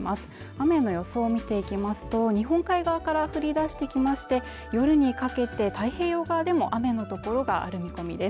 雨の予想を見ていきますと日本海側から降り出してきまして夜にかけて太平洋側でも雨の所がある見込みです